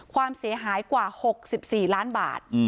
ความเสียหายกว่า๖๔ล้านบาท